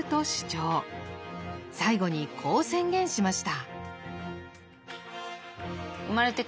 最後にこう宣言しました。